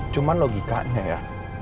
cuman logikanya ya